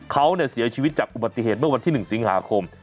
เขาเสียชีวิตจากอุบัติเหตุเมื่อวันที่๑สิงหาคม